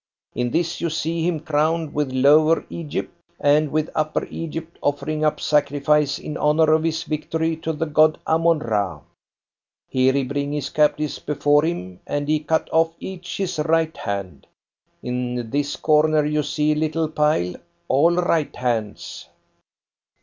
In this you see him crowned with Lower Egypt, and with Upper Egypt offering up sacrifice in honour of his victory to the God Ammon ra. Here he bring his captives before him, and he cut off each his right hand. In this corner you see little pile all right hands."